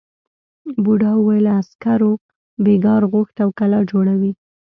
بوڊا وویل عسکرو بېگار غوښت او کلا جوړوي.